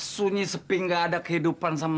sunyi seping nggak ada kehidupan sama opi